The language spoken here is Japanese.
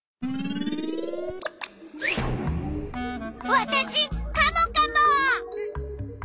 わたしカモカモ！